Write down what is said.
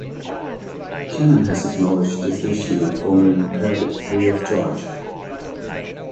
Canon has acknowledged this issue and formerly repaired it free of charge.